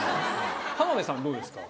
浜辺さんどうですか？